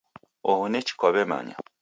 Oho nechi kwaw'emanya.